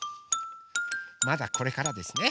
まだこれからですね。